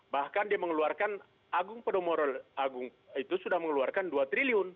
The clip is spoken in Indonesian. bahkan dia mengeluarkan agung podomoro agung itu sudah mengeluarkan dua triliun